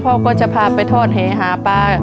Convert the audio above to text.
พ่อก็จะพาไปโทษเหหาป๊า